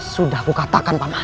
sudah kukatakan pak mat